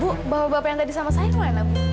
bu bawa bapak yang tadi sama saya ke mana bu